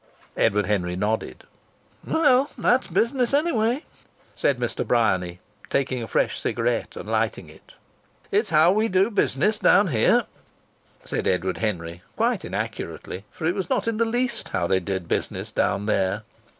Edward Henry nodded. "Well, that's business anyway!" said Mr. Bryany, taking a fresh cigarette and lighting it. "It's how we do business down here," said Edward Henry, quite inaccurately; for it was not in the least how they did business down there.